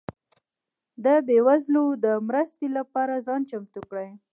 ده بيوزلو ده مرستي لپاره ځان چمتو کړئ